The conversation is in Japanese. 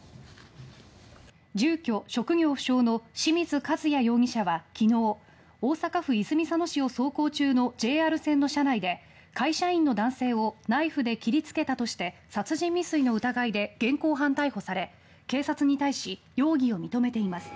住居・職業不詳の清水和也容疑者は昨日大阪府泉佐野市を走行中のＪＲ線の車内で会社員の男性をナイフで切りつけたとして殺人未遂の疑いで現行犯逮捕され警察に対し容疑を認めています。